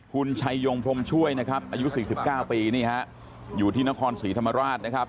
คุณชัยยงพรมช่วยนะครับอายุ๔๙ปีนี่ฮะอยู่ที่นครศรีธรรมราชนะครับ